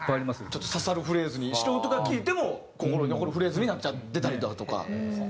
ちょっと刺さるフレーズに素人が聴いても心に残るフレーズになっちゃってたりだとか。